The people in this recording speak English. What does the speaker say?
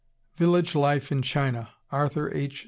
Village Life in China, Arthur H.